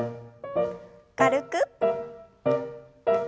軽く。